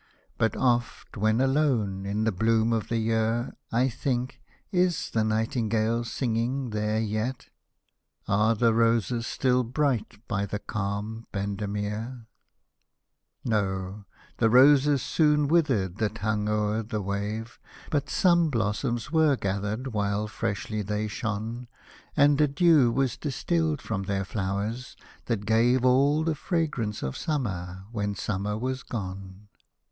But oft when alone, in the bloom of the year, I think — is the nightingale sifiging there yet ? Are the roses still bright by the calm Bende MEER ? Hosted by Google THE VEILED PROPHET OF KHORASSAN 115 No, the roses soon withered that hung o'er the wave, But some blossoms were gathered, while freshly they shone, And a dew was distilled from their flowers, that gave All the fragrance of summer, when summer was gone.